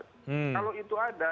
kalau itu ada